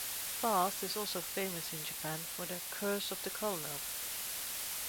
Bass is also famous in Japan for the "Curse of the Colonel".